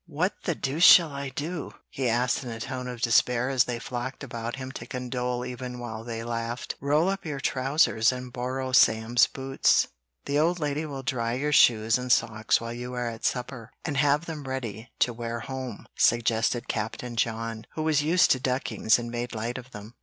"What the deuce shall I do?" he asked in a tone of despair as they flocked about him to condole even while they laughed. "Roll up your trousers and borrow Sam's boots. The old lady will dry your shoes and socks while you are at supper, and have them ready to wear home," suggested Captain John, who was used to duckings and made light of them.